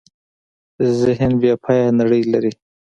ذهن بېپایه نړۍ لري.